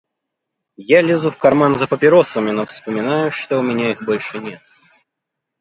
Я лезу в карман за папиросами, но вспоминаю, что у меня их больше нет.